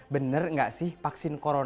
bener nggak sih vaksin corona